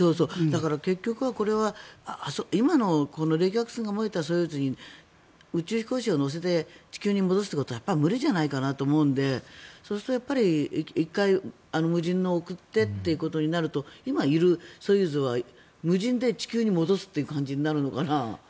結局はこれは今の冷却液が漏れたソユーズに宇宙飛行士を乗せて地球に戻すということはやっぱり無理じゃないかなと思うのでそうすると１回無人を送ってとなると今いるソユーズは無人で地球に戻すという感じになるのかな。